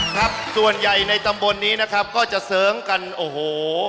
ครับส่วนใหญ่ในตำบลนี้นะครับก็จะเสริงกันโอ้โห